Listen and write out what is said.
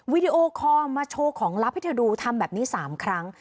วิดีโอคอลมาโชว์ของลับให้เธอดูทำแบบนี้๓ครั้ง